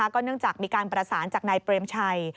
เนื่องจากมีการประสานจากนายเปรมชัย